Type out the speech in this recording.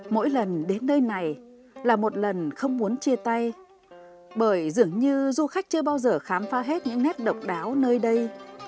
mỗi lần đến nơi này là một lần không muốn chia tay bởi dường như du khách chưa bao giờ khám phá hết những nét độc đáo nơi đây